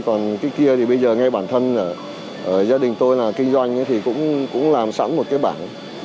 còn cái kia thì bây giờ nghe bản thân gia đình tôi là kinh doanh thì cũng làm sẵn một cái bảng